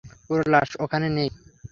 ওর লাশ ওখানে নেই।